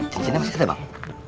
cincinnya masih ada bang